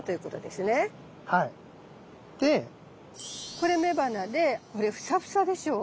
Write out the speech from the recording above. これ雌花でこれフサフサでしょう。